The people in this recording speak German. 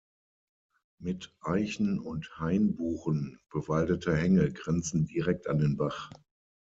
Mit Eichen und Hainbuchen bewaldete Hänge grenzen direkt an den Bach.